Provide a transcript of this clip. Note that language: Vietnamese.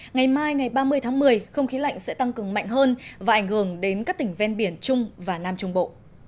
ngày mai ngày ba mươi tháng một mươi không khí lạnh sẽ tăng cường mạnh hơn và ảnh hưởng đến các tỉnh ven biển trung và nam trung bộ